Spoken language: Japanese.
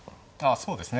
そうですね。